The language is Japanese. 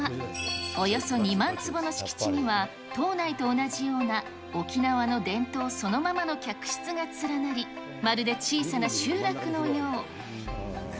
およそ２万坪の敷地には、島内と同じような、沖縄の伝統そのままの客室が連なり、おー。